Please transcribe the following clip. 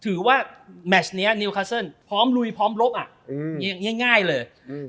ถือว่าแมชเนี้ยนิวคาซ่อนพร้อมลุยพร้อมรบอ่ะอืมง่ายง่ายเลยอืม